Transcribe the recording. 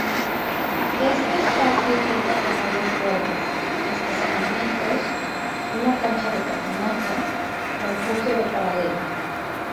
Este espacio cuenta con áreas verdes, estacionamientos, una cancha de patinaje, refugio de paradero.